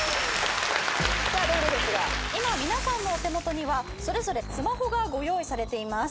今皆さんのお手元にはそれぞれスマホがご用意されています。